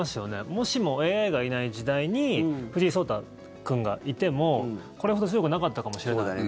もしもＡＩがいない時代に藤井聡太君がいてもこれほど強くなかったかもしれない。